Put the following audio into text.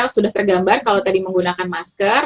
sudah tergambar kalau tadi menggunakan masker